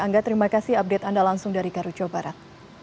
angga terima kasih update anda langsung dari karuco barat